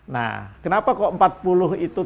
nah kenapa kok empat puluh itu